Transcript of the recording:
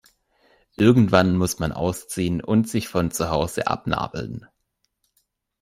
Irgendwann muss man ausziehen und sich von zu Hause abnabeln.